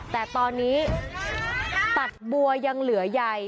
แต่ตอนนี้ตัดบัวยังเหลือใย